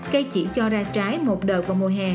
cây chỉ cho ra trái một đợt vào mùa hè